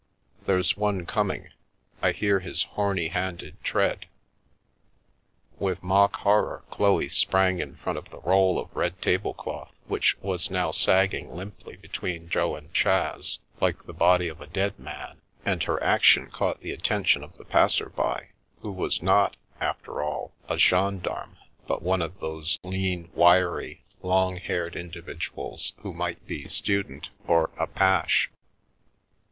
" There's one coming. I hear his horny handed tread." With mock horror Chloe sprang in front of the roll of red tablecloth which was now sagging limply between Jo and Chas like the body of a dead man, and her action caught the attention of the passer by, who was not, after all, a gendarme, but one of those lean, wiry, long haired individuals who might be student or apache.